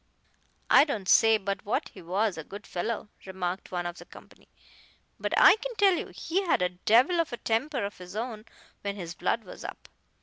"I don't say but what he was a good fellow," remarked one of the company; "but I can tell you he had a devil of a temper of his own when his blood was up.